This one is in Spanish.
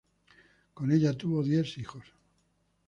Con ella tuvo diez hijos.